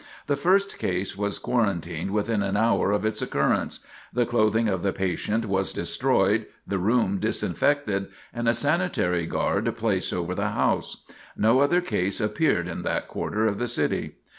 The first case was quarantined within an hour of its occurrence; the clothing of the patient was destroyed, the room disinfected, and a sanitary guard placed over the house. No other case appeared in that quarter of the city.